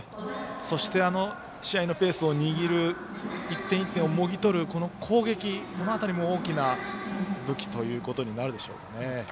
そして試合のペースを握る１点１点をもぎ取るこの攻撃、この辺りも大きな武器ということになるでしょうか。